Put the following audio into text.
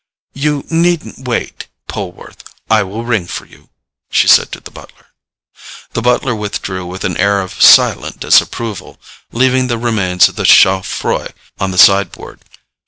"You needn't wait, Poleworth—I will ring for you," she said to the butler. The butler withdrew with an air of silent disapproval, leaving the remains of the CHAUFROIX on the sideboard.